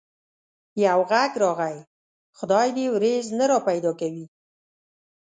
يو غږ راغی: خدای دي وريځ نه را پيدا کوي.